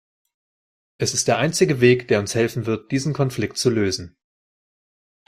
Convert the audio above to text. Es ist der einzige Weg, der uns helfen wird, diesen Konflikt zu lösen.